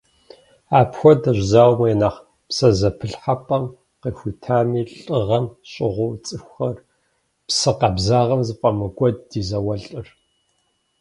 Апхуэдэщ зауэм я нэхъ псэзэпылъхьэпӏэм къихутами, лӏыгъэм щӏыгъуу цӏыхугъэр, псэ къабзагъэр зыфӏэмыкӏуэд ди зауэлӏыр.